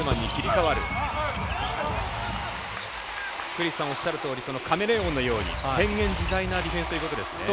クリスさんがおっしゃるようにカメレオンのように変幻自在なディフェンスということですね。